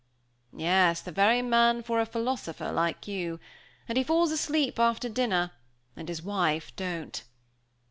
"Yes, the very man for a philosopher, like you! And he falls asleep after dinner; and his wife don't.